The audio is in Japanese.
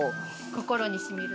心にしみる。